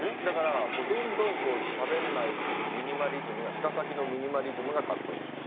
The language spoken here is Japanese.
だからどんどんしゃべんないミニマリズムが舌先のミニマリズムがかっこいい。